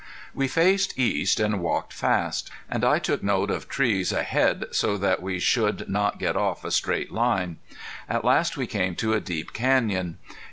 We faced east and walked fast, and I took note of trees ahead so that we should not get off a straight line. At last we came to a deep canyon.